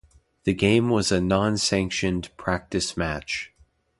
The game was a non-sanctioned practice match.